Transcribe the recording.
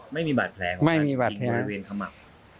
ไม่มีบาดแผลของมันอีกบริเวณขมับ